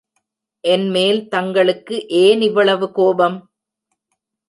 என்மேல் தங்களுக்கு ஏன் இவ்வளவு கோபம்?